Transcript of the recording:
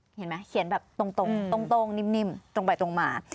เห็นไหมเขียนแบบตรงนิ่มตรงไปตรงมา